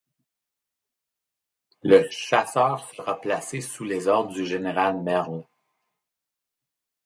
Le Chasseurs sera placé sous les ordres du général Merle.